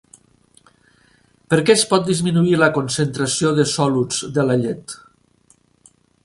Per què es pot disminuir la concentració de soluts de la llet?